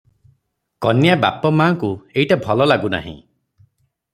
କନ୍ୟା ବାପ ମାଙ୍କୁ ଏଇଟା ଭଲ ଲାଗୁନାହିଁ ।